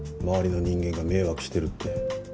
周りの人間が迷惑してるって。